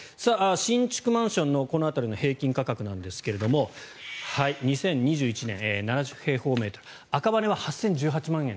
新築マンションのこの辺りの平均価格ですが２０２１年、７０平方メートル赤羽は８０１８万円。